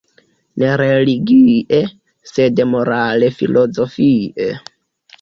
Ne religie, sed morale-filozofie.